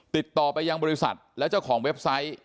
ติดต่อไปยังบริษัทและเจ้าของเว็บไซต์